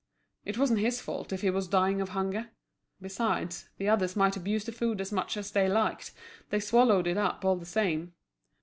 It wasn't his fault if he was dying of hunger. Besides, the others might abuse the food as much as they liked, they swallowed it up all the same.